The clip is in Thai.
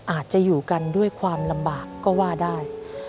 อาจจะอยู่กันด้วยความลำบากก็ว่าได้